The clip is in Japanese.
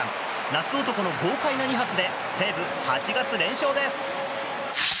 夏男の豪快な２発で西武、８月連勝です。